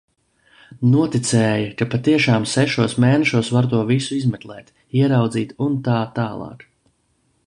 Noticēja, ka patiešām sešos mēnešos var to visu izmeklēt, ieraudzīt, un tā tālāk.